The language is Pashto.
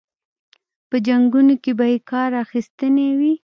په جنګونو کې به یې کار اخیستی وي.